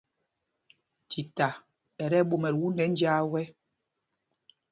Tita ɛ tí ɛɓomɛl wundɛ njāā wɛ́.